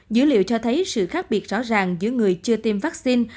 dữ liệu cho thấy sự khác biệt rõ ràng giữa người chưa tiêm vaccine